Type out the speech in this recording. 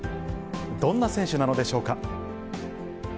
どんな選手なのでしょうか。